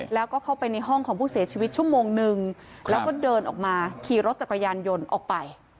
แล้วก็เข้าไปในห้องของผู้เสียชีวิตชั่วโมงนึงแล้วก็เดินออกมาขี่รถจักรยานยนต์ออกไป